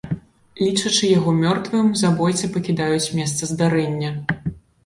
Лічачы яго мёртвым, забойцы пакідаюць месца здарэння.